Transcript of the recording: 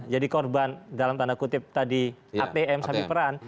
jadi korban dalam tanda kutip tadi atm sabi peran